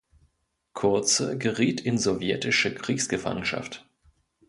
Kurze geriet in sowjetische Kriegsgefangenschaft.